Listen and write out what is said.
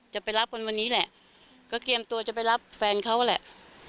จะไปรับกันวันนี้แหละก็เตรียมตัวจะไปรับแฟนเขาแหละ